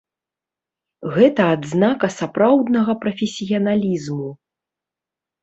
Гэта адзнака сапраўднага прафесіяналізму!